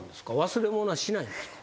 忘れ物はしないんですか？